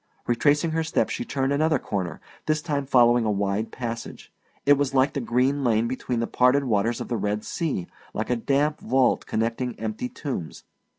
Retracing her steps she turned another corner, this time following a wide passage. It was like the green lane between the parted water of the Red Sea, like a damp vault connecting empty tombs.